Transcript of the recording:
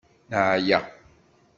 Neɛya.